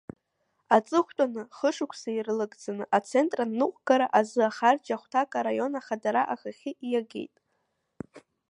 Аҵыхәтәантәи хышықәса ирылагӡаны Ацентр аныҟәгара азы ахарџь ахәҭак араион Ахадара ахахьы иагеит.